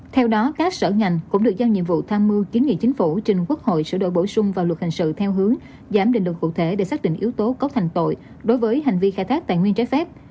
theo đó các sở ngành cũng được giao nhiệm vụ tham mưu kiến nghị chính phủ trình quốc hội sửa đổi bổ sung vào luật hình sự theo hướng giảm định lượng cụ thể để xác định yếu tố cấu thành tội đối với hành vi khai thác tài nguyên trái phép